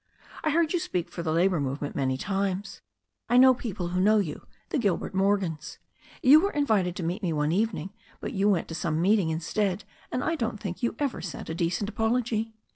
I heard you speak for the labour movement many times. I know people who know you — the Gilbert Morgans. You were invited to meet me one evening, but you went to some meeting instead, and I don't think you ever sent a decent apology."